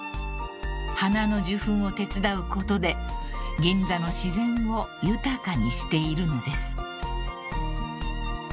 ［花の受粉を手伝うことで銀座の自然を豊かにしているのです］